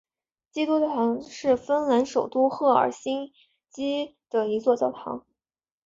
基督教堂是芬兰首都赫尔辛基的一座教堂。